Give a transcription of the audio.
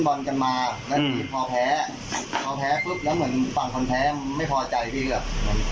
คนเจ็บไม่มีครับ